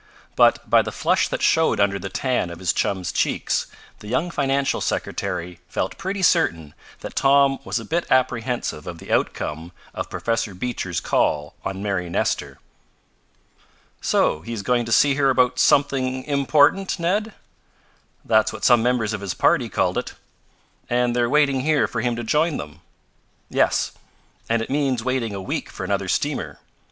But by the flush that showed under the tan of his chum's cheeks the young financial secretary felt pretty certain that Tom was a bit apprehensive of the outcome of Professor Beecher's call on Mary Nestor. "So he is going to see her about 'something important,' Ned?" "That's what some members of his party called it." "And they're waiting here for him to join them?" "Yes. And it means waiting a week for another steamer.